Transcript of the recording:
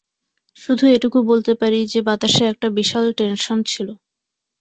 শুধু এটুকু বলতে পারি যে বাতাসে একটা বিশাল টেনশন ছিল।